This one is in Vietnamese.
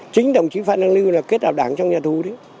chính đồng chí phan đăng lưu là kết hợp đảng trong nhà tù